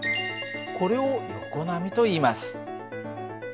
これを横波といいます。